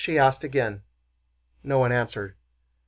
she asked again. No one answered.